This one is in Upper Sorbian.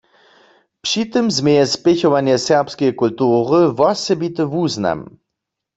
Při tym změje spěchowanje serbskeje kultury wosebity wuznam.